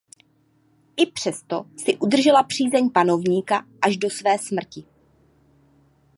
I přesto si udržela přízeň panovníka až do své smrti.